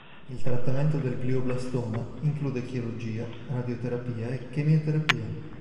Il trattamento del glioblastoma include chirurgia, radioterapia e chemioterapia.